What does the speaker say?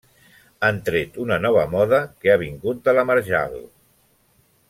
Han tret una moda nova que ha vingut de la marjal.